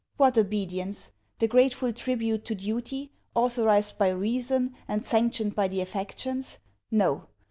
What obedience? the grateful tribute to duty, authorised by reason, and sanctioned by the affections? No.